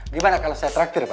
gimana kalau saya terakhir pak